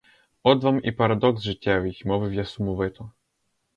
От вам і парадокс життєвий, — мовив я сумовито.